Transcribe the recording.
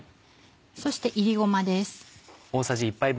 そして炒りごまです。